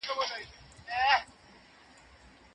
په لابراتوار کې وینه د اکسیجن لپاره چمتو کېږي.